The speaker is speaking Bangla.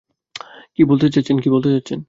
কী বলতে চাচ্ছেন?